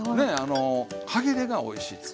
歯切れがおいしいです。